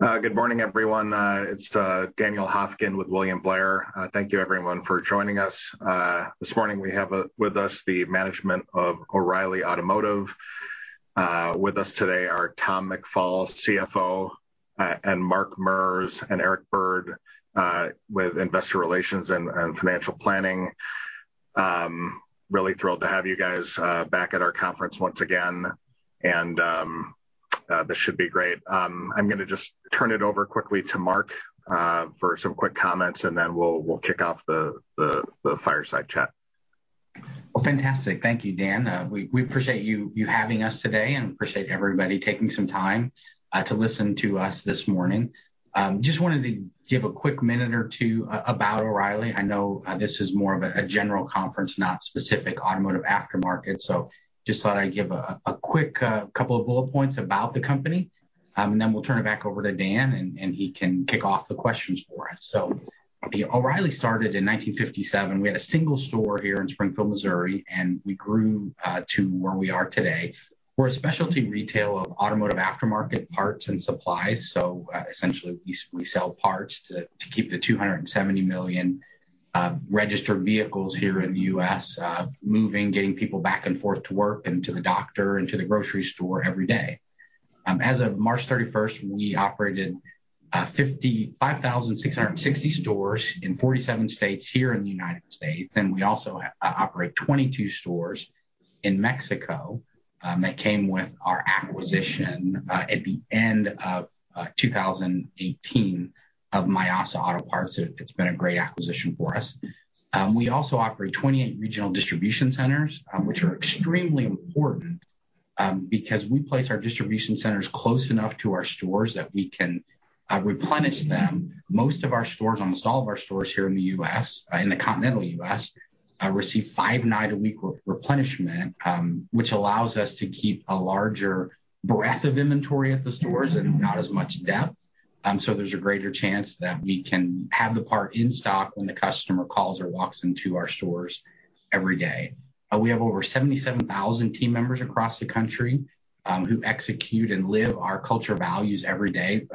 Good morning, everyone. It's Daniel Hofkin with William Blair. Thank you, everyone, for joining us. This morning, we have with us the management of O'Reilly Automotive. With us today are Tom McFall, CFO, and Mark Merz, and Eric Bird with Investor Relations and Financial Planning. Really thrilled to have you guys back at our conference once again. This should be great. I'm going to just turn it over quickly to Mark for some quick comments, and then we'll kick off the fireside chat. Fantastic. Thank you, Dan. We appreciate you having us today and appreciate everybody taking some time to listen to us this morning. I just wanted to give a quick minute or two about O'Reilly. I know this is more of a general conference, not specific to automotive aftermarket. I just thought I'd give a quick couple of bullet points about the company, and then we'll turn it back over to Dan, and he can kick off the questions for us. O'Reilly started in 1957. We had a single store here in Springfield, Missouri, and we grew to where we are today. We're a specialty retailer of automotive aftermarket parts and supplies. Essentially, we sell parts to keep the 270 million registered vehicles here in the U.S. moving, getting people back and forth to work and to the doctor and to the grocery store every day. As of March 31, we operated 5,660 stores in 47 states here in the United States. We also operate 22 stores in Mexico that came with our acquisition at the end of 2018 of Mayasa Auto Parts. It's been a great acquisition for us. We also operate 28 regional distribution centers, which are extremely important because we place our distribution centers close enough to our stores that we can replenish them. Most of our stores, almost all of our stores here in the U.S., in the continental U.S., receive five nights a week replenishment, which allows us to keep a larger breadth of inventory at the stores and not as much depth. There's a greater chance that we can have the part in stock when the customer calls or walks into our stores every day. We have over 77,000 team members across the country who execute and live our culture values every day.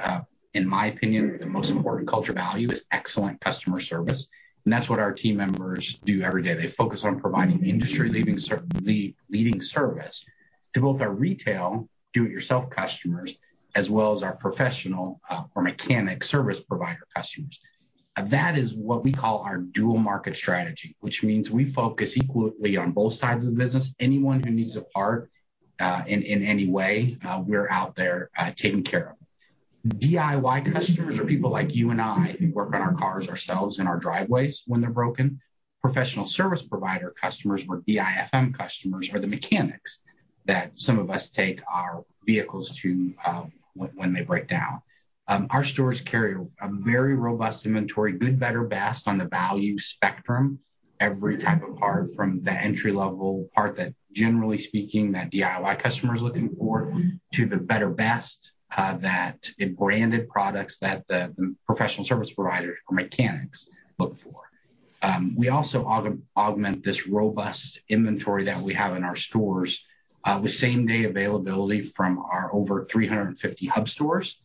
In my opinion, the most important culture value is excellent customer service. That's what our team members do every day. They focus on providing industry-leading service to both our retail do-it-yourself customers, as well as our professional or mechanic service provider customers. That is what we call our dual market strategy, which means we focus equally on both sides of the business. Anyone who needs a part in any way, we're out there taking care of. DIY customers are people like you and I who work on our cars ourselves in our driveways when they're broken. Professional service provider customers or DIFM customers are the mechanics that some of us take our vehicles to when they break down. Our stores carry a very robust inventory, good, better, best on the value spectrum. Every type of part from the entry-level part that, generally speaking, that DIY customer is looking for to the better, best that branded products that the professional service providers or mechanics look for. We also augment this robust inventory that we have in our stores with same-day availability from our over 350 hub stores.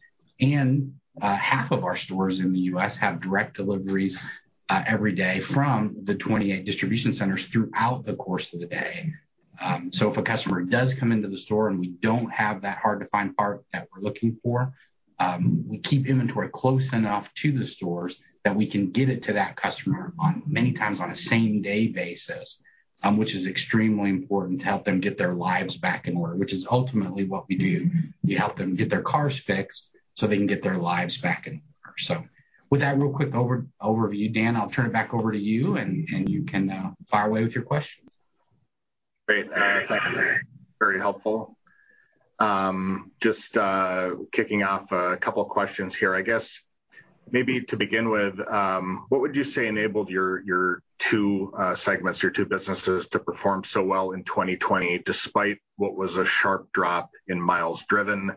Half of our stores in the U.S. have direct deliveries every day from the 28 distribution centers throughout the course of the day. If a customer does come into the store and we don't have that hard-to-find part that we're looking for, we keep inventory close enough to the stores that we can get it to that customer many times on a same-day basis, which is extremely important to help them get their lives back in order, which is ultimately what we do. We help them get their cars fixed so they can get their lives back in order. With that real quick overview, Dan, I'll turn it back over to you, and you can fire away with your questions. Great. Thank you. Very helpful. Just kicking off a couple of questions here. I guess maybe to begin with, what would you say enabled your two segments, your two businesses to perform so well in 2020, despite what was a sharp drop in miles driven?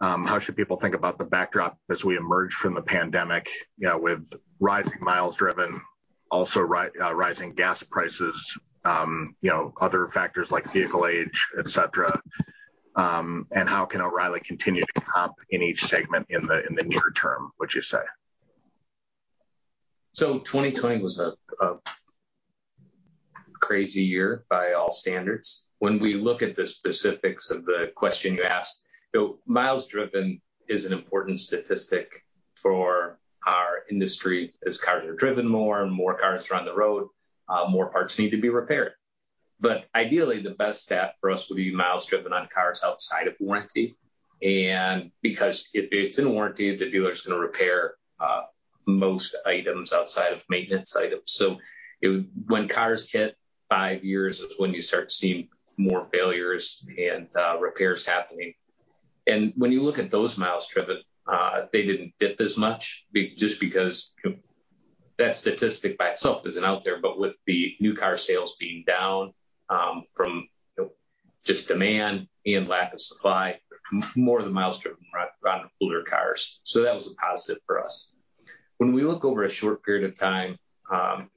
How should people think about the backdrop as we emerge from the pandemic with rising miles driven, also rising gas prices, other factors like vehicle age, etc.? How can O'Reilly continue to comp in each segment in the near term, would you say? 2020 was a crazy year by all standards. When we look at the specifics of the question you asked, miles driven is an important statistic for our industry. As cars are driven more and more cars are on the road, more parts need to be repaired. Ideally, the best stat for us would be miles driven on cars outside of warranty, because if it's in warranty, the dealer is going to repair most items outside of maintenance items. When cars hit five years, that's when you start seeing more failures and repairs happening. When you look at those miles driven, they didn't dip as much just because that statistic by itself isn't out there. With the new car sales being down from just demand and lack of supply, more of the miles driven were on older cars. That was a positive for us. When we look over a short period of time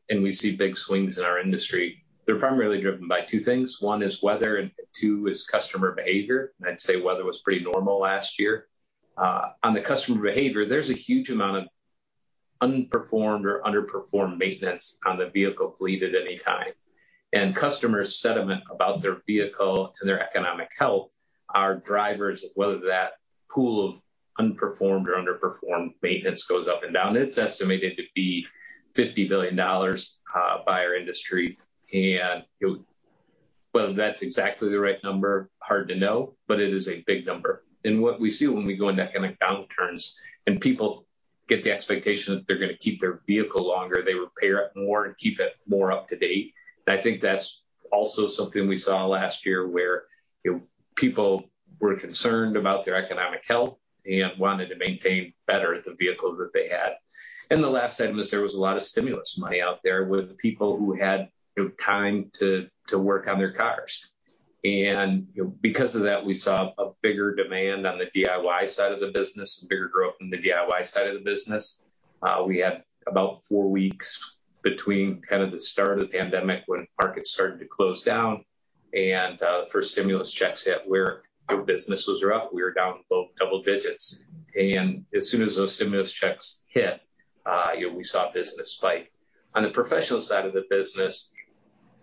and we see big swings in our industry, they're primarily driven by two things. One is weather, and two is customer behavior. I'd say weather was pretty normal last year. On the customer behavior, there's a huge amount of unperformed or underperformed maintenance on the vehicle fleet at any time. Customer sentiment about their vehicle and their economic health are drivers of whether that pool of unperformed or underperformed maintenance goes up and down. It's estimated to be $50 billion by our industry. Whether that's exactly the right number, hard to know, but it is a big number. What we see when we go into economic downturns and people get the expectation that they're going to keep their vehicle longer, they repair it more and keep it more up to date. I think that's also something we saw last year where people were concerned about their economic health and wanted to maintain better the vehicle that they had. The last item is there was a lot of stimulus money out there with the people who had time to work on their cars. Because of that, we saw a bigger demand on the DIY side of the business and bigger growth in the DIY side of the business. We had about four weeks between kind of the start of the pandemic when markets started to close down and for stimulus checks that where businesses were out. We were down about double digits. As soon as those stimulus checks hit, we saw a business spike. On the professional side of the business,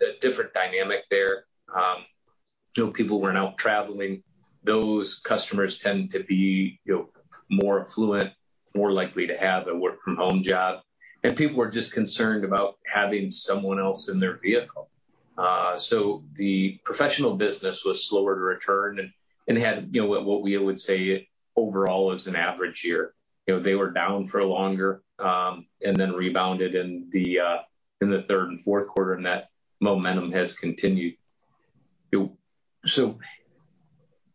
a different dynamic there. People weren't out traveling. Those customers tend to be more affluent, more likely to have a work-from-home job. People were just concerned about having someone else in their vehicle. The professional business was slower to return and had what we would say overall is an average year. They were down for longer and then rebounded in the third and fourth quarter, and that momentum has continued. It is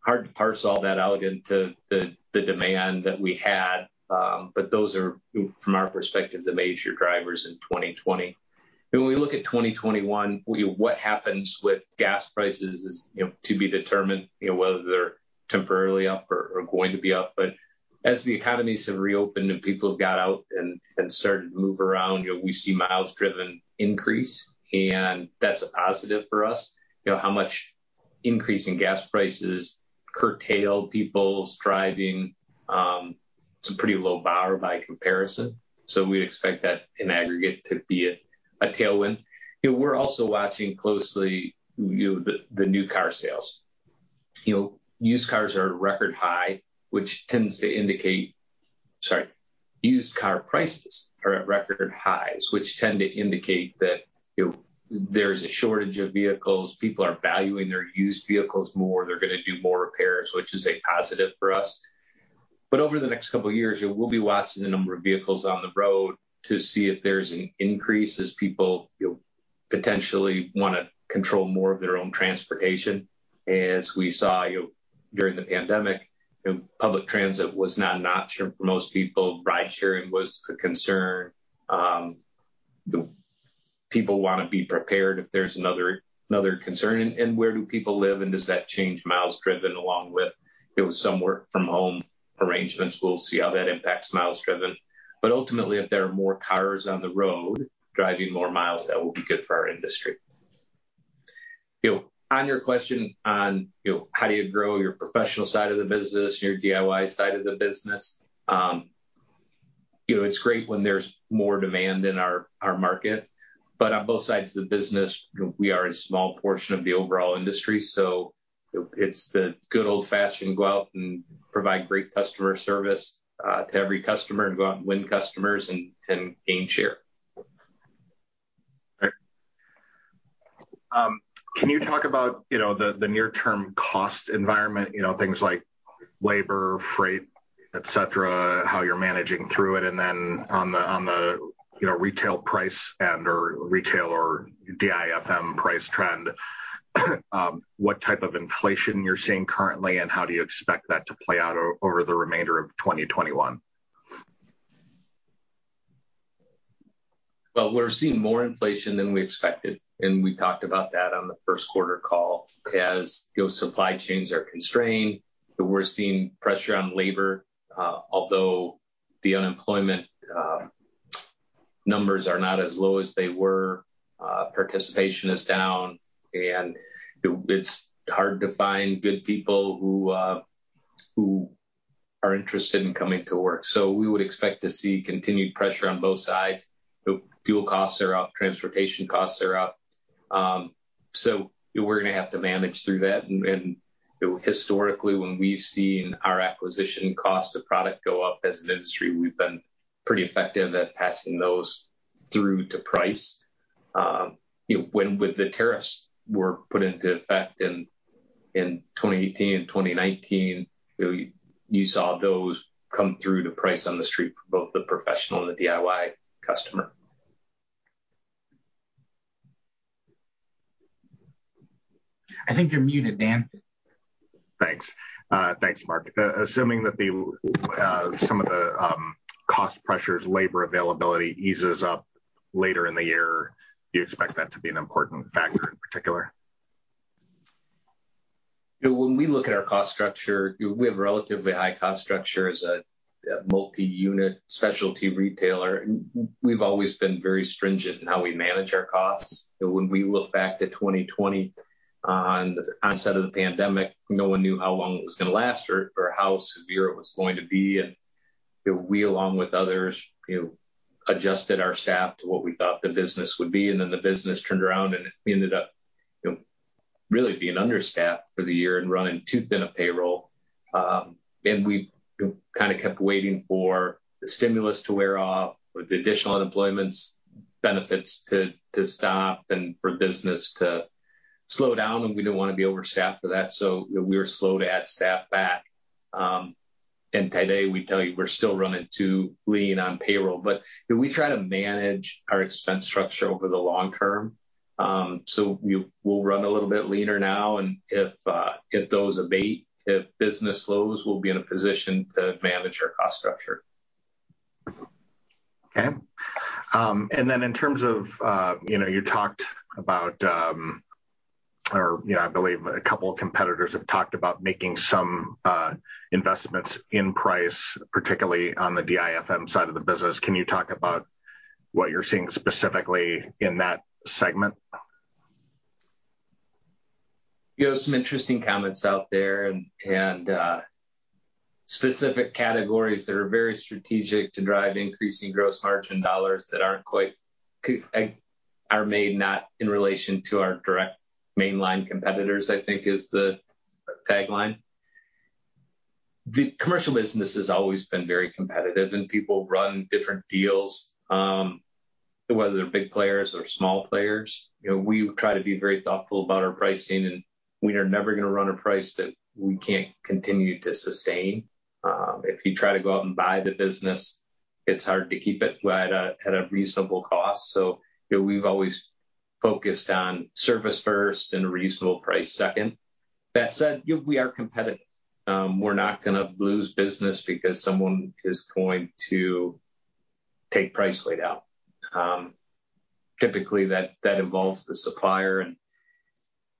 hard to parse all that out into the demand that we had, but those are, from our perspective, the major drivers in 2020. When we look at 2021, what happens with gas prices is to be determined whether they're temporarily up or going to be up. As the economies have reopened and people have got out and started to move around, we see miles driven increase, and that's a positive for us. How much increase in gas prices curtailed people's driving? It's a pretty low bar by comparison. We expect that in aggregate to be a tailwind. We're also watching closely the new car sales. Used car prices are at record highs, which tend to indicate that there is a shortage of vehicles. People are valuing their used vehicles more. They're going to do more repairs, which is a positive for us. Over the next couple of years, we'll be watching the number of vehicles on the road to see if there's an increase as people potentially want to control more of their own transportation. As we saw during the pandemic, public transit was not an option for most people. Ridesharing was a concern. People want to be prepared if there's another concern. Where do people live? Does that change miles driven along with some work-from-home arrangements? We'll see how that impacts miles driven. Ultimately, if there are more cars on the road driving more miles, that will be good for our industry. On your question on how do you grow your professional side of the business and your DIY side of the business, it's great when there's more demand in our market. On both sides of the business, we are a small portion of the overall industry. It is the good old-fashioned go out and provide great customer service to every customer and go out and win customers and gain share. Can you talk about the near-term cost environment, things like labor, freight, et cetera, how you're managing through it? On the retail price end or retail or DIFM price trend, what type of inflation you're seeing currently? How do you expect that to play out over the remainder of 2021? We're seeing more inflation than we expected. We talked about that on the first quarter call. As supply chains are constrained, we're seeing pressure on labor. Although the unemployment numbers are not as low as they were, participation is down. It's hard to find good people who are interested in coming to work. We would expect to see continued pressure on both sides. Fuel costs are up. Transportation costs are up. We're going to have to manage through that. Historically, when we've seen our acquisition cost of product go up as an industry, we've been pretty effective at passing those through to price. When the tariffs were put into effect in 2018 and 2019, you saw those come through to price on the street for both the professional and the DIY customer. I think you're muted, Dan. Thanks, Mark. Assuming that some of the cost pressures, labor availability eases up later in the year, do you expect that to be an important factor in particular? When we look at our cost structure, we have a relatively high cost structure as a multi-unit specialty retailer. We've always been very stringent in how we manage our costs. When we look back to 2020, at the onset of the pandemic, no one knew how long it was going to last or how severe it was going to be. We, along with others, adjusted our staff to what we thought the business would be. The business turned around and ended up really being understaffed for the year and running too thin a payroll. We kept waiting for the stimulus to wear off or the additional unemployment benefits to stop and for business to slow down. We didn't want to be overstaffed for that. We were slow to add staff back. Today, we tell you we're still running too lean on payroll. We try to manage our expense structure over the long term. We'll run a little bit leaner now. If those abate, if business slows, we'll be in a position to manage our cost structure. Okay. In terms of you talked about, or I believe a couple of competitors have talked about making some investments in price, particularly on the DIFM side of the business. Can you talk about what you're seeing specifically in that segment? There are some interesting comments out there and specific categories that are very strategic to drive increasing gross margin dollars that aren't quite made, not in relation to our direct mainline competitors, I think is the tagline. The commercial business has always been very competitive, and people run different deals, whether they're big players or small players. We try to be very thoughtful about our pricing, and we are never going to run a price that we can't continue to sustain. If you try to go out and buy the business, it's hard to keep it at a reasonable cost. We've always focused on service first and a reasonable price second. That said, we are competitive. We're not going to lose business because someone is going to take price way down. Typically, that involves the supplier and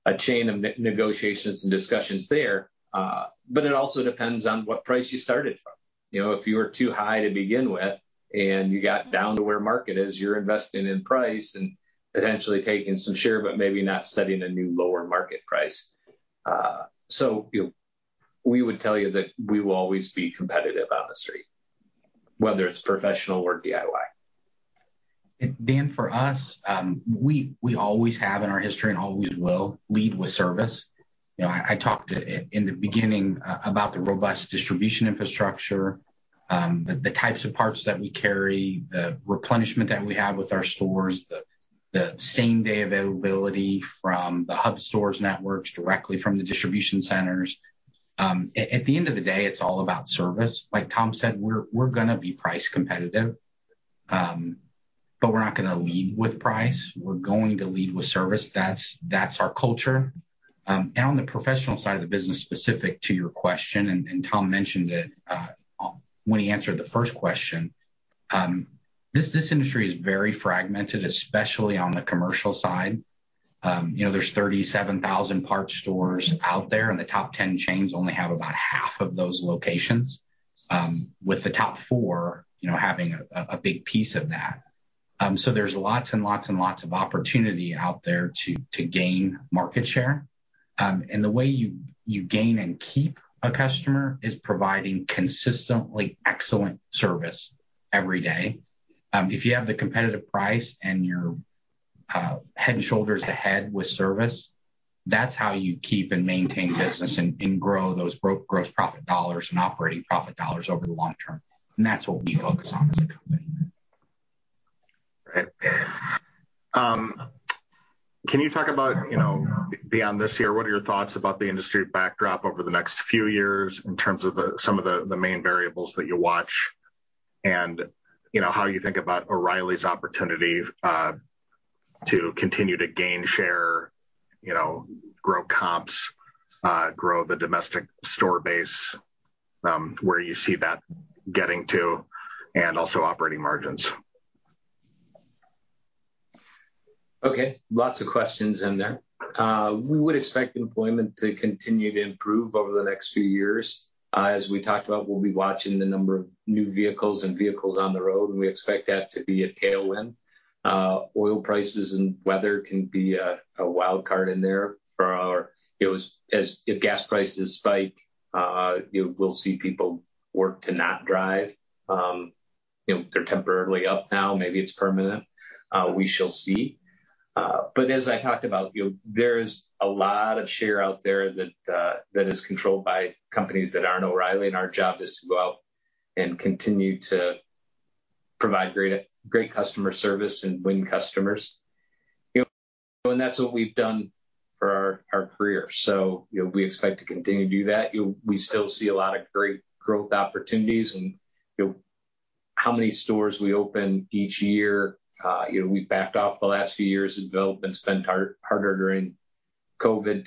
a chain of negotiations and discussions there. It also depends on what price you started from. If you were too high to begin with and you got down to where market is, you're investing in price and potentially taking some share, but maybe not setting a new lower market price. We would tell you that we will always be competitive on the street, whether it's professional or DIY. For us, we always have in our history and always will lead with service. I talked in the beginning about the robust distribution infrastructure, the types of parts that we carry, the replenishment that we have with our stores, the same-day availability from the hub stores' networks directly from the distribution centers. At the end of the day, it's all about service. Like Tom said, we're going to be price competitive, but we're not going to lead with price. We're going to lead with service. That's our culture. On the professional side of the business, specific to your question, and Tom mentioned it when he answered the first question, this industry is very fragmented, especially on the commercial side. There are 37,000 parts stores out there, and the top 10 chains only have about half of those locations, with the top four having a big piece of that. There is lots and lots and lots of opportunity out there to gain market share. The way you gain and keep a customer is providing consistently excellent service every day. If you have the competitive price and you're head and shoulders to head with service, that's how you keep and maintain business and grow those gross profit dollars and operating profit dollars over the long term. That's what we focus on as a company. Can you talk about beyond this year, what are your thoughts about the industry backdrop over the next few years in terms of some of the main variables that you watch and how you think about O'Reilly's opportunity to continue to gain share, grow comps, grow the domestic store base, where you see that getting to, and also operating margins? OK, lots of questions in there. We would expect employment to continue to improve over the next few years. As we talked about, we'll be watching the number of new vehicles and vehicles on the road, and we expect that to be a tailwind. Oil prices and weather can be a wild card in there. As gas prices spike, we'll see people work to not drive. They're temporarily up now. Maybe it's permanent. We shall see. As I talked about, there is a lot of share out there that is controlled by companies that aren't O'Reilly, and our job is to go out and continue to provide great customer service and win customers. That's what we've done for our career. We expect to continue to do that. We still see a lot of great growth opportunities. How many stores we open each year, we backed off the last few years of development, spent harder during COVID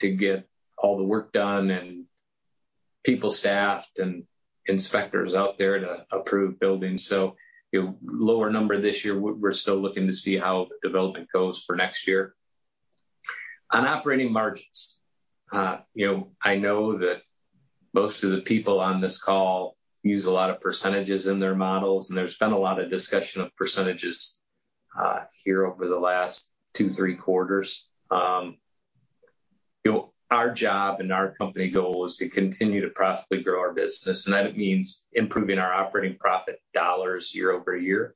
to get all the work done and people staffed and inspectors out there to approve buildings. Lower number this year, we're still looking to see how development goes for next year. On operating margins, I know that most of the people on this call use a lot of percentages in their models, and there's been a lot of discussion of percentages here over the last two, three quarters. Our job and our company goal is to continue to profitably grow our business. That means improving our operating profit dollars year over year.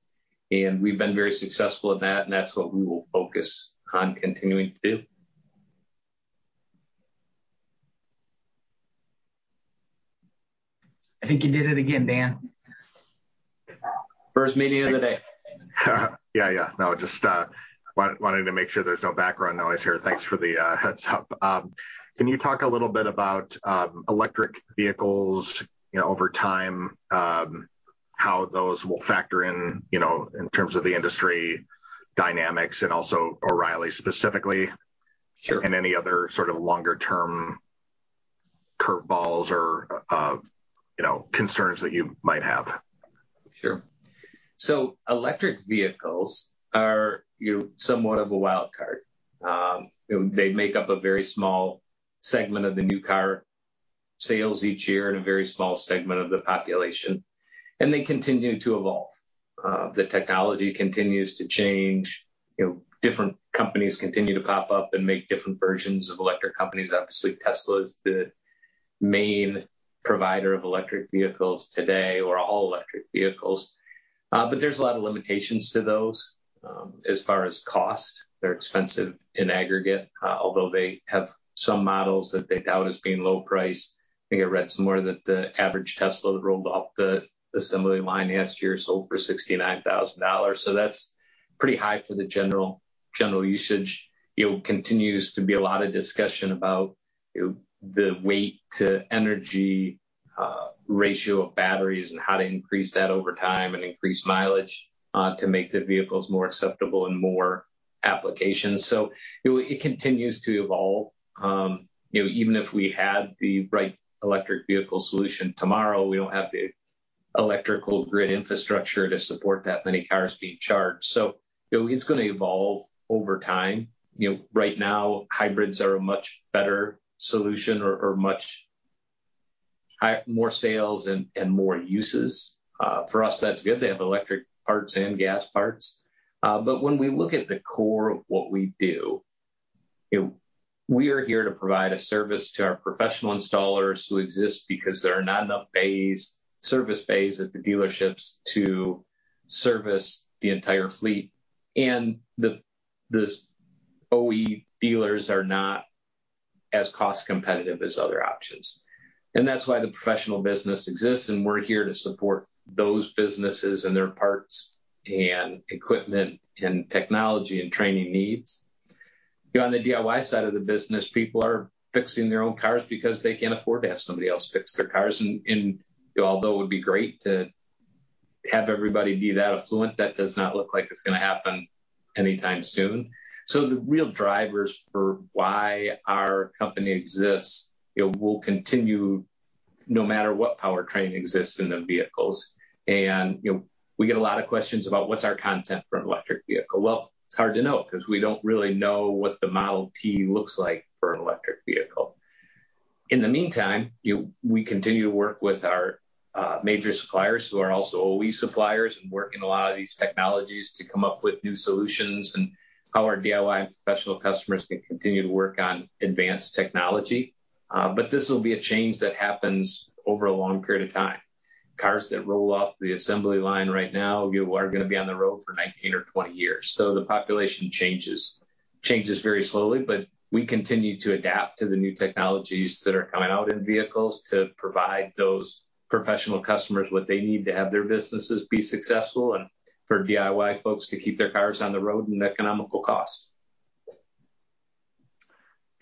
We've been very successful in that, and that's what we will focus on continuing to do. I think you did it again, Dan. First meeting of the day. Yeah. No, just wanted to make sure there's no background noise here. Thanks for the heads up. Can you talk a little bit about electric vehicles over time, how those will factor in in terms of the industry dynamics and also O'Reilly specifically? Sure. Is there any other sort of longer-term curveballs or concerns that you might have? Sure. Electric vehicles are somewhat of a wild card. They make up a very small segment of the new car sales each year and a very small segment of the population. They continue to evolve. The technology continues to change. Different companies continue to pop up and make different versions of electric vehicles. Obviously, Tesla is the main provider of electric vehicles today or all electric vehicles. There are a lot of limitations to those as far as cost. They're expensive in aggregate, although they have some models that they tout as being low priced. I think I read somewhere that the average Tesla that rolled off the assembly line last year sold for $69,000. That's pretty high for the general usage. There continues to be a lot of discussion about the weight to energy ratio of batteries and how to increase that over time and increase mileage to make the vehicles more acceptable in more applications. It continues to evolve. Even if we had the right electric vehicle solution tomorrow, we don't have the electrical grid infrastructure to support that many cars being charged. It's going to evolve over time. Right now, hybrids are a much better solution or much more sales and more uses. For us, that's good. They have electric parts and gas parts. When we look at the core of what we do, we are here to provide a service to our professional installers who exist because there are not enough service bays at the dealerships to service the entire fleet. The OE dealers are not as cost-competitive as other options. That's why the professional business exists. We're here to support those businesses and their parts and equipment and technology and training needs. On the DIY side of the business, people are fixing their own cars because they can't afford to have somebody else fix their cars. Although it would be great to have everybody be that affluent, that does not look like it's going to happen any time soon. The real drivers for why our company exists will continue no matter what powertrain exists in the vehicles. We get a lot of questions about what's our content for an electric vehicle. It's hard to know because we don't really know what the Model T looks like for an electric vehicle. In the meantime, we continue to work with our major suppliers who are also OE suppliers and work in a lot of these technologies to come up with new solutions and how our DIY and professional customers can continue to work on advanced technology. This will be a change that happens over a long period of time. Cars that roll off the assembly line right now are going to be on the road for 19 or 20 years. The population changes very slowly. We continue to adapt to the new technologies that are coming out in vehicles to provide those professional customers what they need to have their businesses be successful and for DIY folks to keep their cars on the road and economical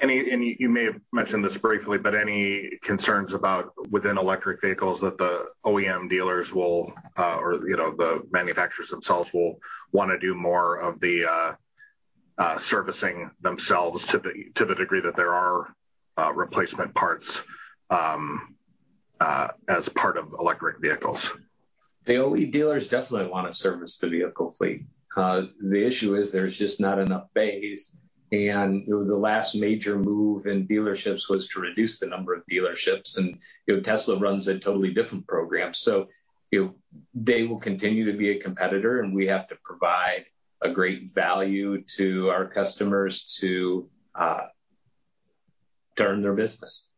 cost. You may have mentioned this briefly, but any concerns about within electric vehicles that the OEM dealers or the manufacturers themselves will want to do more of the servicing themselves to the degree that there are replacement parts as a part of electric vehicles? The OE dealers definitely want to service the vehicle fleet. The issue is there's just not enough bays. The last major move in dealerships was to reduce the number of dealerships. Tesla runs a totally different program. They will continue to be a competitor, and we have to provide a great value to our customers to turn their business.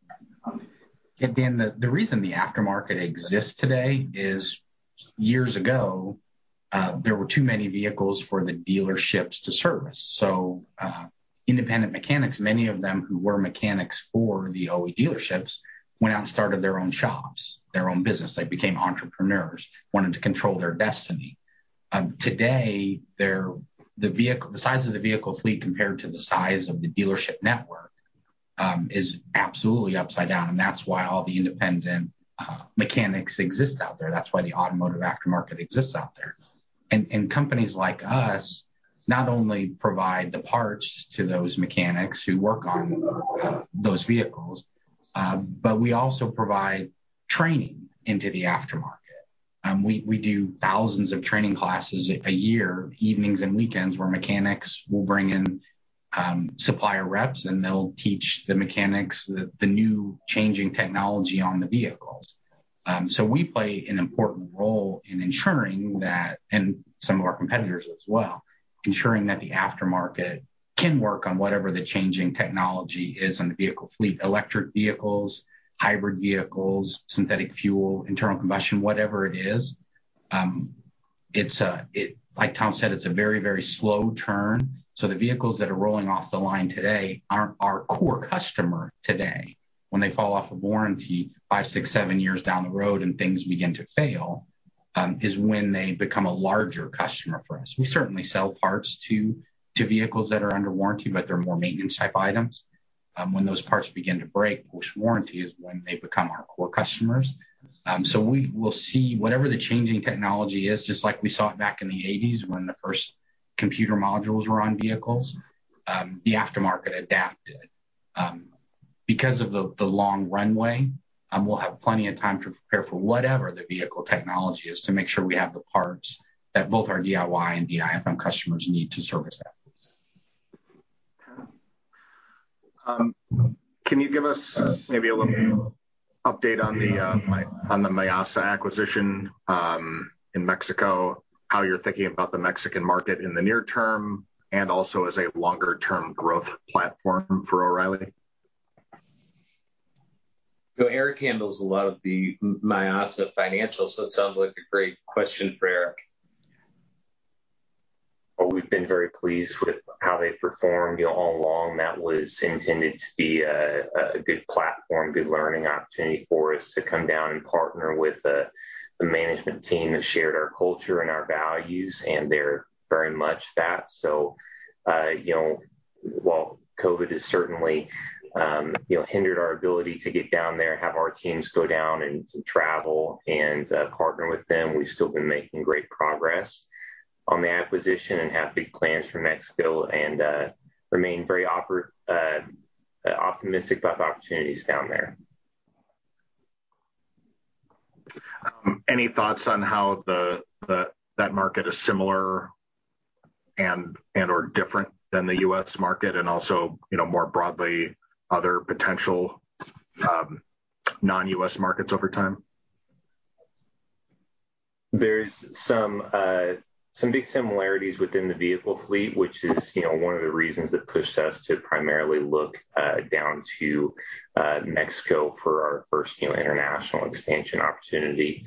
Dan, the reason the aftermarket exists today is years ago, there were too many vehicles for the dealerships to service. Independent mechanics, many of them who were mechanics for the OE dealerships, went out and started their own shops, their own business. They became entrepreneurs, wanted to control their destiny. Today, the size of the vehicle fleet compared to the size of the dealership network is absolutely upside down. That is why all the independent mechanics exist out there. That is why the automotive aftermarket exists out there. Companies like us not only provide the parts to those mechanics who work on those vehicles, but we also provide training into the aftermarket. We do thousands of training classes a year, evenings and weekends, where mechanics will bring in supplier reps, and they'll teach the mechanics the new changing technology on the vehicles. We play an important role in ensuring that, and some of our competitors as well, ensuring that the aftermarket can work on whatever the changing technology is in the vehicle fleet, electric vehicles, hybrid vehicles, synthetic fuel, internal combustion, whatever it is. Like Tom said, it's a very, very slow turn. The vehicles that are rolling off the line today aren't our core customer today. When they fall off of warranty five, six, seven years down the road and things begin to fail, is when they become a larger customer for us. We certainly sell parts to vehicles that are under warranty, but they're more maintenance-type items. When those parts begin to break, of course, warranty is when they become our core customers. We will see whatever the changing technology is, just like we saw it back in the 1980s when the first computer modules were on vehicles, the aftermarket adapted. Because of the long runway, we'll have plenty of time to prepare for whatever the vehicle technology is to make sure we have the parts that both our DIY and DIFM customers need to service them. Can you give us maybe a little update on the Mayasa Auto Parts acquisition in Mexico, how you're thinking about the Mexican market in the near term, and also as a longer-term growth platform for O'Reilly? Eric handles a lot of the Mayasa financials, so it sounds like a great question for Eric. We've been very pleased with how they performed all along. That was intended to be a good platform, good learning opportunity for us to come down and partner with the management team that shared our culture and our values, and they're very much that. COVID has certainly hindered our ability to get down there, have our teams go down and travel and partner with them, but we've still been making great progress on the acquisition and have big plans for Mexico and remain very optimistic about the opportunities down there. Any thoughts on how that market is similar and/or different than the U.S. market, and also more broadly other potential non-U.S. markets over time? There's some big similarities within the vehicle fleet, which is one of the reasons that pushed us to primarily look down to Mexico for our first international expansion opportunity.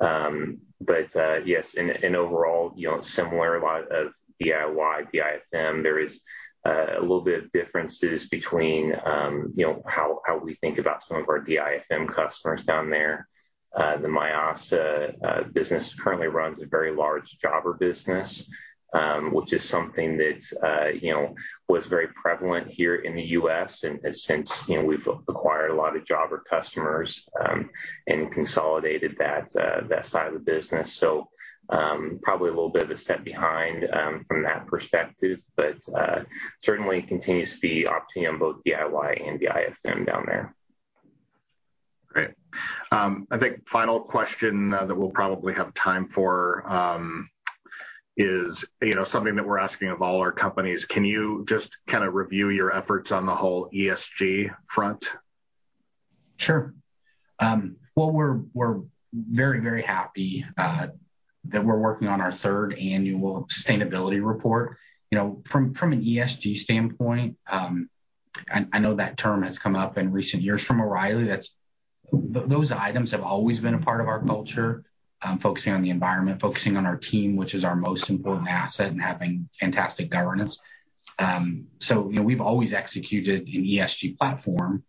Yes, and overall, similar, a lot of DIY, DIFM, there is a little bit of differences between how we think about some of our DIFM customers down there. The Mayasa Auto Parts business currently runs a very large Jobber business, which is something that was very prevalent here in the U.S., and since we've acquired a lot of Jobber customers and consolidated that side of the business, probably a little bit of a step behind from that perspective. Certainly, it continues to be opportunity on both DIY and DIFM down there. Great. I think final question that we'll probably have time for is something that we're asking of all our companies. Can you just kind of review your efforts on the whole ESG front? Sure. We're very, very happy that we're working on our third annual sustainability report. From an ESG standpoint, I know that term has come up in recent years from O'Reilly Automotive. Those items have always been a part of our culture, focusing on the environment, focusing on our team, which is our most important asset, and having fantastic governance. We've always executed an ESG platform.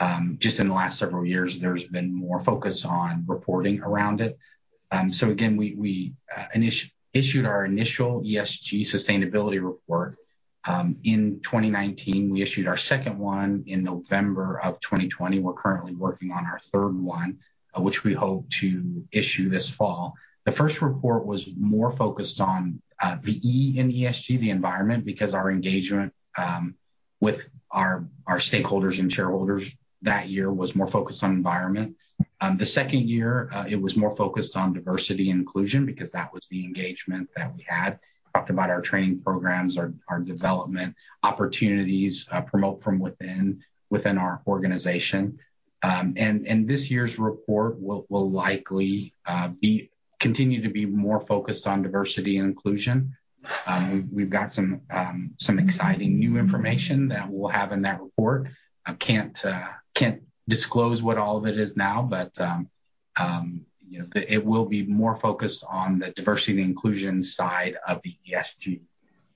In the last several years, there's been more focus on reporting around it. We issued our initial ESG sustainability report in 2019. We issued our second one in November of 2020. We're currently working on our third one, which we hope to issue this fall. The first report was more focused on the E in ESG, the environment, because our engagement with our stakeholders and shareholders that year was more focused on environment. The second year, it was more focused on diversity and inclusion because that was the engagement that we had. Talked about our training programs, our development opportunities, promote from within our organization. This year's report will likely continue to be more focused on diversity and inclusion. We've got some exciting new information that we'll have in that report. Can't disclose what all of it is now, but it will be more focused on the diversity and inclusion side of the ESG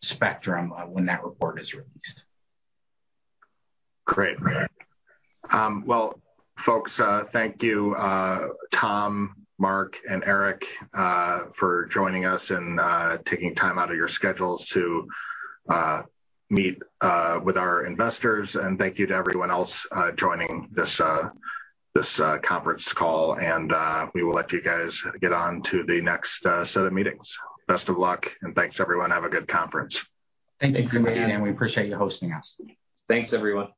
spectrum when that report is released. Great. Folks, thank you, Tom, Mark, and Eric, for joining us and taking time out of your schedules to meet with our investors. Thank you to everyone else joining this conference call. We will let you guys get on to the next set of meetings. Best of luck, and thanks, everyone. Have a good conference. Thank you, Dan. Thank you, Dan. We appreciate you hosting us. Thanks, everyone.